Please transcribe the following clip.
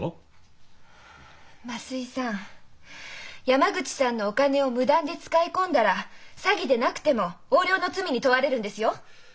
山口さんのお金を無断で使い込んだら詐欺でなくても横領の罪に問われるんですよ。